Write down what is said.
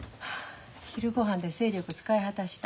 昼ごはんで精力使い果たした。